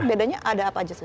bedanya ada apa saja